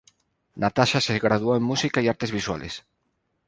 Natasha se graduó en música y artes visuales.